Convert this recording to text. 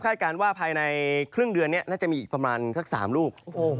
การว่าภายในครึ่งเดือนนี้น่าจะมีอีกประมาณสัก๓ลูก